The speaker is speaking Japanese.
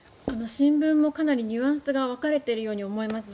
新聞もかなりニュアンスが分かれているように思います。